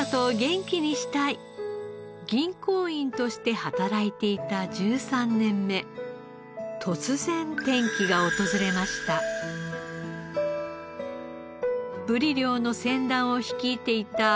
銀行員として働いていた１３年目突然転機が訪れました。